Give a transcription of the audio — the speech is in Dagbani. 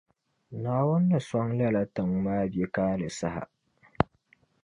Naawuni ni sɔŋ lala·tiŋ’ ·maa biɛkaali saha.